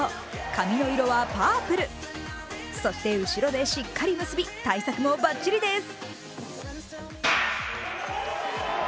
髪の色はパープル、そして後ろでしっかり結び対策もばっちりです。